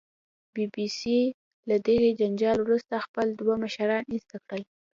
بي بي سي له دغې جنجال وروسته خپل دوه مشران ایسته کړل